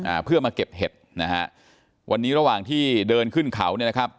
อ่าเพื่อมาเก็บเห็ดนะฮะวันนี้ระหว่างที่เดินขึ้นเขาเนี่ยนะครับ